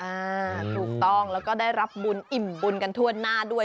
ถูกต้องแล้วก็ได้รับบุญอิ่มบุญกันทั่วหน้าด้วย